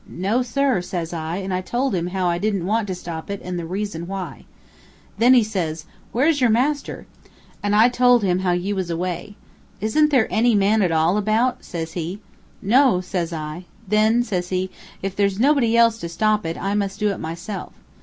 'No, sir,' says I, and I told him how I didn't want to stop it, and the reason why. Then says he, 'Where's your master?' and I told him how you was away. 'Isn't there any man at all about?' says he. 'No,' says I. 'Then,' says he, 'if there's nobody else to stop it, I must do it myself.'